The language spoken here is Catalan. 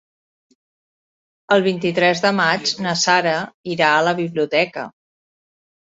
El vint-i-tres de maig na Sara irà a la biblioteca.